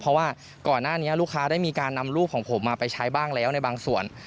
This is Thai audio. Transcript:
เพราะว่าก่อนหน้านี้ลูกค้าได้มีการนำรูปของผมมาไปใช้บ้างแล้วในบางส่วน